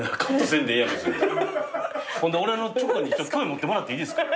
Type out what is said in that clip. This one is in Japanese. ほんで俺のチョコに興味持ってもらっていいですか？